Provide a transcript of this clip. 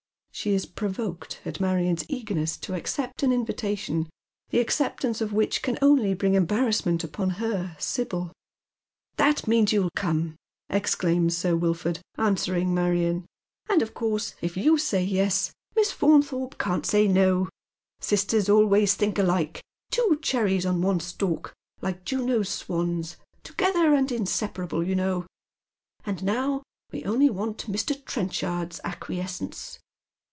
She is provoked at Marion's eagerness to accept an invitation, the acceptance of which can only bring embarrassment upon her, Sibyl. " That means you'll come," exclaims Sir Wilford, answering Marion, " and, of course, if you say yes, Miss Faunthorpe can't say no. Sisters always think alike — two cherries on one stalk, like Juno's swans, together and inseparable, you know ; and now we only want Mr. Trenchard's acquiescence."